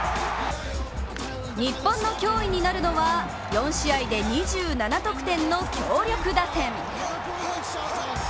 日本の脅威になるのは４試合で２７得点の強力打線。